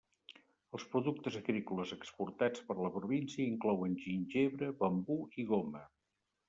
Els productes agrícoles exportats per la província inclouen gingebre, bambú i goma.